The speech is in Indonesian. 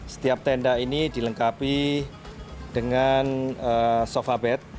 setiap tenda ini dilengkapi dengan sofa bed